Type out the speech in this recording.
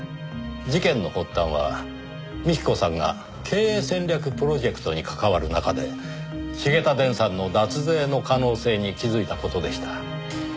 事件の発端は幹子さんが経営戦略プロジェクトに関わる中で繁田電産の脱税の可能性に気づいた事でした。